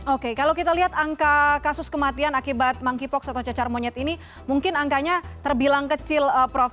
oke kalau kita lihat angka kasus kematian akibat monkeypox atau cacar monyet ini mungkin angkanya terbilang kecil prof